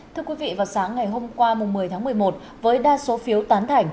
thưa quý vị vào sáng ngày hôm qua một mươi tháng một mươi một với đa số phiếu tán thảnh